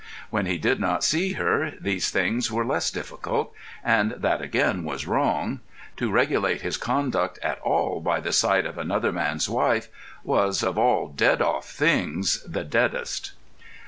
When he did not see her, these things were less difficult, and that again was wrong. To regulate his conduct at all by the sight of another man's wife was, of all dead off things, the deadest.